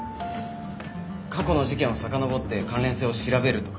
過去の事件をさかのぼって関連性を調べるとか。